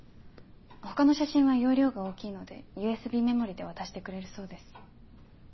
他の写真は容量が大きいのでＵＳＢメモリで渡してくれるそうです。